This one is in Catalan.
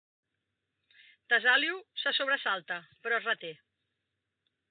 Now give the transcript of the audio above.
Tesalio se sobresalta, però es reté.